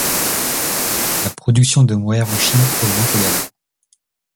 La production de mohair en Chine augmente également.